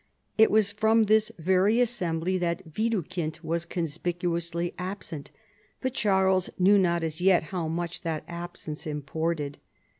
It was from this very assembly that "Widukind was con spicuously absent, but Charles knew not as yet how much that absence imported.